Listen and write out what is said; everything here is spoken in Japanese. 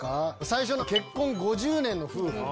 最初の結婚５０年の夫婦。